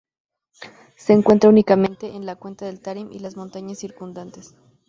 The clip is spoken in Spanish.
Se encuentra únicamente en la cuenca del Tarim y las montañas circundantes.